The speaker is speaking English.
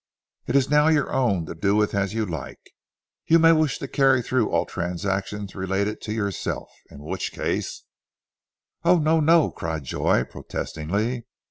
It is now your own to do with as you like. You may wish to carry through all transactions relating to it yourself, in which case " "Oh no! no!" cried Joy protestingly.